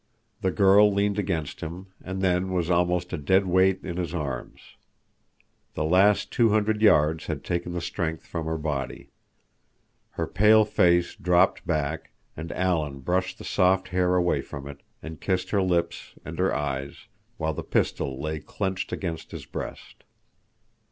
The girl leaned against him, and then was almost a dead weight in his arms. The last two hundred yards had taken the strength from her body. Her pale face dropped back, and Alan brushed the soft hair away from it, and kissed her lips and her eyes, while the pistol lay clenched against his breast.